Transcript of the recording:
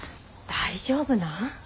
大丈夫なん？